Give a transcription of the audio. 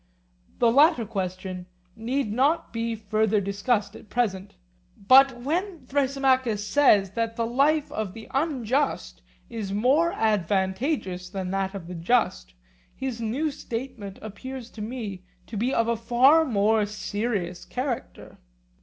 This latter question need not be further discussed at present; but when Thrasymachus says that the life of the unjust is more advantageous than that of the just, his new statement appears to me to be of a far more serious character.